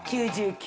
９９！